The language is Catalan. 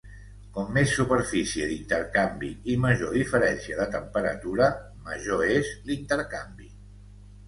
Com més superfície d'intercanvi i major diferència de temperatura, major és l'intercanvi.